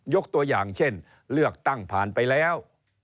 ยกตัวอย่างเช่นเลือกตั้งผ่านไปแล้ว